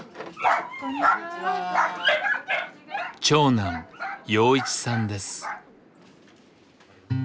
長男陽一さんです。